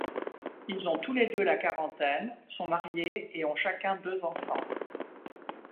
Ils ont tous les deux la quarantaine, sont mariés et ont chacun deux enfants.